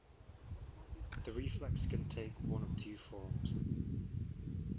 The reflex can take one of two forms.